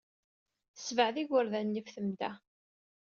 Ssebɛed igerdan-nni ɣef temda.